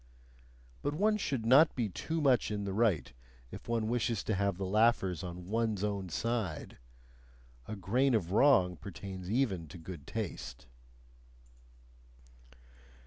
But one should not be too much in the right if one wishes to have the laughers on ONE'S OWN side; a grain of wrong pertains even to good taste.